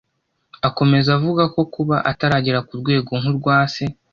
Akomeza avuga ko kuba ataragera ku rwego nk’urwa Se